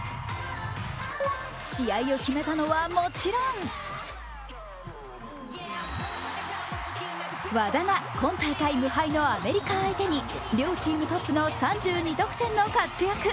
試合を決めたのはもちろん和田が今大会無敗のアメリカ相手に両チームトップの３２得点の活躍。